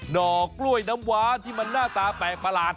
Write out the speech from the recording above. หนอกล้วยน้ำหวานที่เหมือนหน้าตาแปลกประหลาด